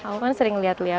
aku kan sering lihat lihat